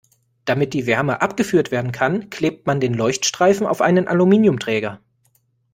Damit die Wärme abgeführt werden kann, klebt man den Leuchtstreifen auf einen Aluminiumträger.